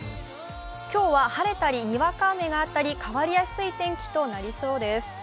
今日は晴れたり、にわか雨があったり、変わりやすい天気となりそうです。